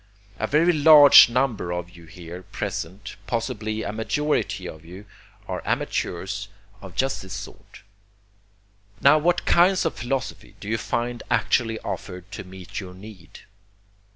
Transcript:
A very large number of you here present, possibly a majority of you, are amateurs of just this sort. Now what kinds of philosophy do you find actually offered to meet your need?